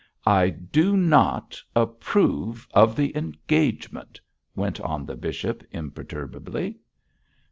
'I do not approve of the engagement,' went on the bishop, imperturbably.